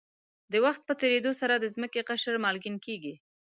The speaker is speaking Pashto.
د وخت په تېرېدو سره د ځمکې قشر مالګین کېږي.